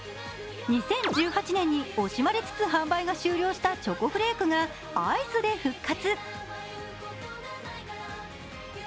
２０１８年に惜しまれつつ販売が終了したチョコフレークがアイスで復活。